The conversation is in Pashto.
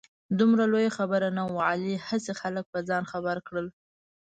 دومره لویه خبره نه وه. علي هسې خلک په ځان خبر کړ.